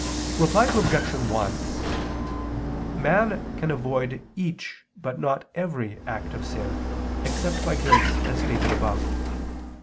Reply Obj. 1: Man can avoid each but not every act of sin, except by grace, as stated above.